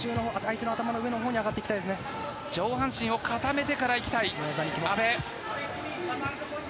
上半身を固めてからいきたい阿部。